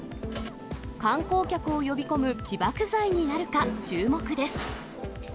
観光客を呼び込む起爆剤になるか、注目です。